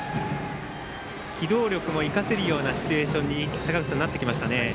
機動力も生かせるシチュエーションになってきましたね。